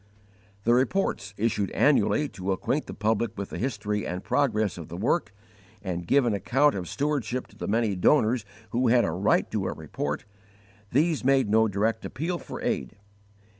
The reports, issued annually to acquaint the public with the history and progress of the work, and give an account of stewardship to the many donors who had a right to a report these made _no direct appeal for aid.